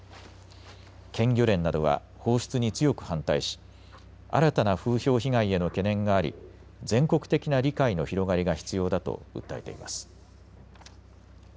県漁連などは放出に強く反対し新たな風評被害への懸念があり全国的な理解の広がりが必要だと訴えています。